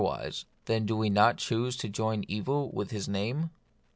wise, then do we not choose to join evil with His name